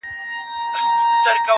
سل او شپېته کلونه٫